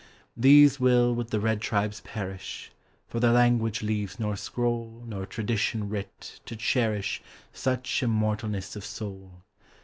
These will with the red tribes perish ; For their language leaves nor scroll Nor tradition writ, to cherish Such immortalness of soul.